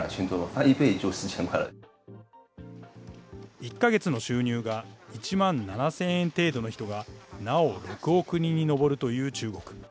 １か月の収入が１万７０００円程度の人がなお６億人に上るという中国。